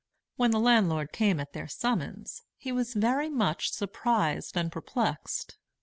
When the landlord came at their summons, he was very much surprised and perplexed.